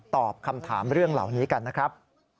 ตอบคำถามเรื่องเหล่านี้กันนะครับ